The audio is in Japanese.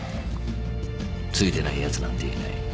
ついてないやつなんていない。